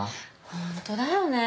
ホントだよねぇ。